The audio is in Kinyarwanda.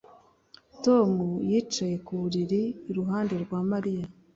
Tom yicaye ku buriri iruhande rwa Mariya